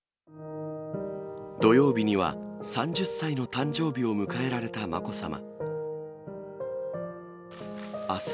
土曜日には３０歳の誕生日を迎えられたまこさま。